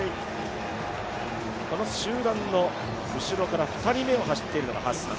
この集団の後ろから２人目を走っているのがハッサン。